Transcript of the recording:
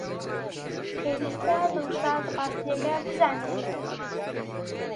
پێویستە دڵشاد ڕاستییەکە بزانێت.